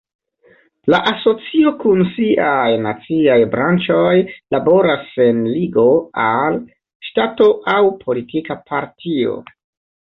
La asocio kun siaj naciaj branĉoj laboras sen ligo al ŝtato aŭ politika partio.